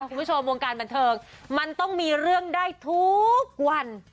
คุณผู้ชมวงการบันเทิงมันต้องมีเรื่องได้ทุกวัน